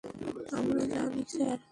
আমরা জানি, স্যার।